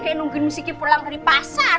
kayak nungguin miss kiki pulang dari pasar